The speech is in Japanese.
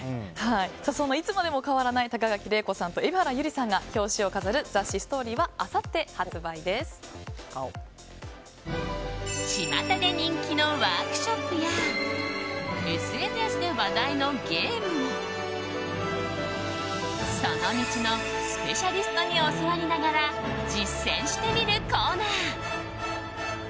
いつまでも変わらない高垣麗子さんと蛯原友里さんが表紙を飾る雑誌「ＳＴＯＲＹ」はちまたで人気のワークショップやＳＮＳで話題のゲームをその道のスペシャリストに教わりながら実践してみるコーナー。